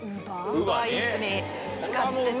ウーバーイーツに使ってて。